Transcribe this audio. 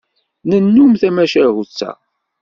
Nennum d tmacahut-a.